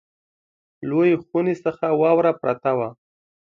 لویې خونې څخه واوره پرته وه.